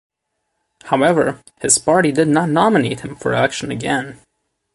However, his party did not nominate him for election again.